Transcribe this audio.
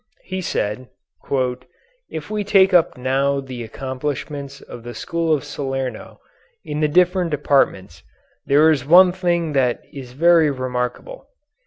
He said: "If we take up now the accomplishments of the school of Salerno in the different departments there is one thing that is very remarkable.